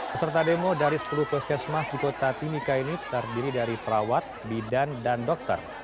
peserta demo dari sepuluh puskesmas di kota timika ini terdiri dari perawat bidan dan dokter